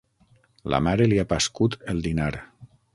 La mare li ha pascut el dinar.